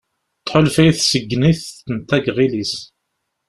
Tḥulfa i tseggnit tenta deg yiɣil-is.